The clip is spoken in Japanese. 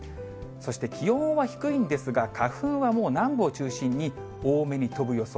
そして、気温は低いんですが、花粉はもう南部を中心に、多めに飛ぶ予想。